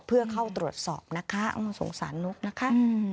เพื่อเข้าตรวจสอบนะคะสงสารนกนะคะ